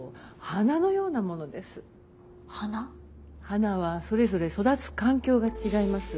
花はそれぞれ育つ環境が違います。